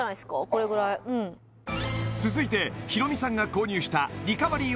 これぐらい続いてヒロミさんが購入したリカバリー